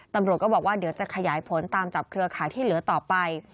ตำรวจก็บอกว่าเดี๋ยวจะขยายผลตามจับเครือข่ายที่เหลือต่อไป